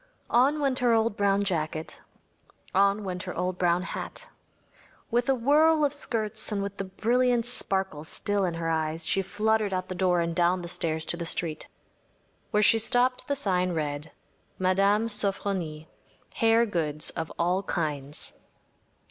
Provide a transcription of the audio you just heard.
On went her old brown jacket; on went her old brown hat. With a whirl of skirts and with the brilliant sparkle still in her eyes, she fluttered out the door and down the stairs to the street. Where she stopped the sign read: “Mme. Sofronie. Hair Goods of All Kinds.